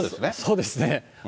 そうですね。